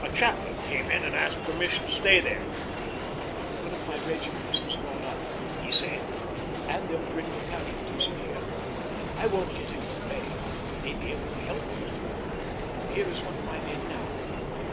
A chaplain came in and asked permission to stay there. 'One of my regiments has gone up, he said, 'and they'll bring the casualties in here. I won't get in your way, and I may be able to help a little. Here is one of my men now.'